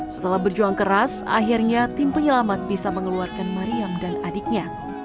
setelah berjuang keras akhirnya tim penyelamat bisa mengeluarkan mariam dan adiknya